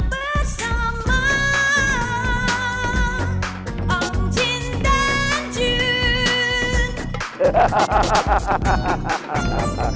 bersama om jin dan jun